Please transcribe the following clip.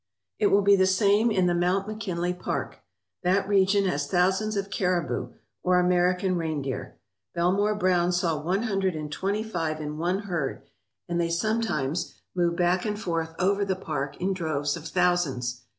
It will be the same in the Mount McKinley Park. That region has thousands of caribou, or American reindeer. Belmore Browne saw one hundred and twenty five in one herd, and they sometimes move back and 287 ALASKA OUR NORTHERN WONDERLAND forth over the park in droves of thousands.